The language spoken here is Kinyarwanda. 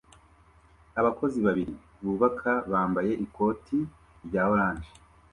abakozi babiri bubaka bambaye ikoti rya orange